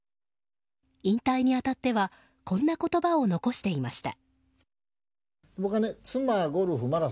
引退に当たってはこんな言葉を残していました。